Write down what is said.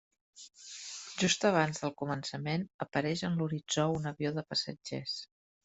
Just abans del començament, apareix en l'horitzó un avió de passatgers.